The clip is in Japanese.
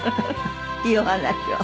いいお話を。